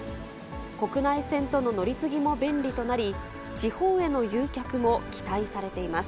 国内線との乗り継ぎも便利となり、地方への誘客も期待されています。